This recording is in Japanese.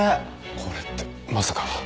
これってまさか。